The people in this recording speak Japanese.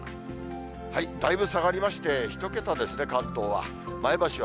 だいぶ下がりまして、１桁ですね、関東は。